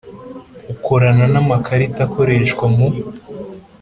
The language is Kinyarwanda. Ukorana n amakarita akoreshwa mu